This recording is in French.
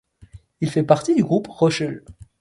Il fait partie du Groupe Rossel.